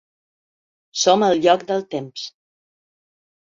Som el lloc del temps.